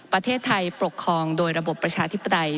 ประเทศไทยปกครองโดยระบบประชาธิปไตย